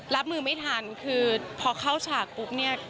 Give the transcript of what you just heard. รับมือไม่ทันคือพอเข้าฉากปุ๊บเนี่ย